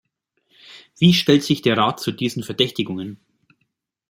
Wie stellt sich der Rat zu diesen Verdächtigungen?